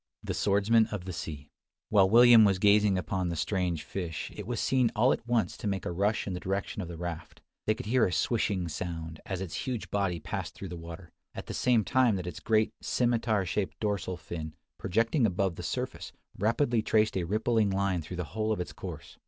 THE SWORDSMAN OF THE SEA. While William was gazing upon the strange fish, it was seen all at once to make a rush in the direction of the raft. They could hear a "swishing" sound, as its huge body passed through the water, at the same time that its great scimitar shaped dorsal fin, projecting above the surface, rapidly traced a rippling line through the whole of its course.